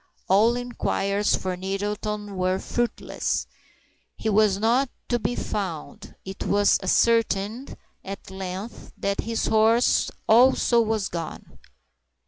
All inquiries for Nettleton were fruitless; he was not to be found. It was ascertained, at length, that his horse also was gone.